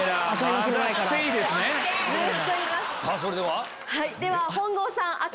それでは！では本郷さん。